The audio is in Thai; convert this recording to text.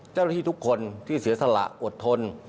เจ้าหน้าที่ทุกคนที่เสียสละอดทน